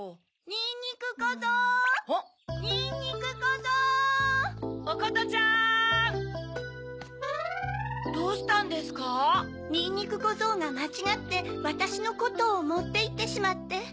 にんにくこぞうがまちがってわたしのことをもっていってしまって。